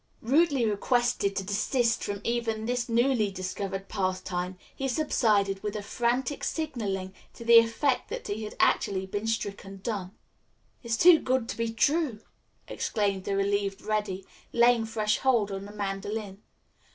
Rudely requested to desist from even this newly discovered pastime, he subsided with a frantic signalling to the effect that he had actually been stricken dumb. "It's too good to be true," exclaimed the relieved Reddy, laying fresh hold on the mandolin.